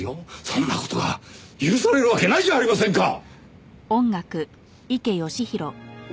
そんな事が許されるわけないじゃありませんか！